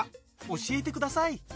教えてください